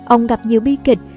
ông gặp nhiều bi kịch